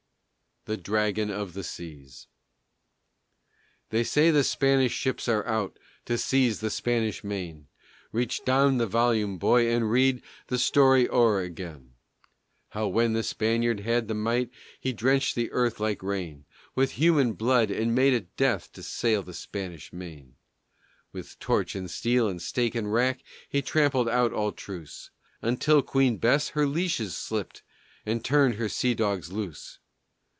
THE DRAGON OF THE SEAS They say the Spanish ships are out To seize the Spanish main; Reach down the volume, boy, and read The story o'er again. How when the Spaniard had the might, He drenched the earth, like rain, With human blood, and made it death To sail the Spanish main. With torch and steel, and stake and rack, He trampled out all truce, Until Queen Bess her leashes slipt, And turned her sea dogs loose.